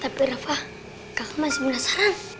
tapi rafa kakak masih penasaran